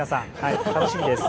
楽しいです。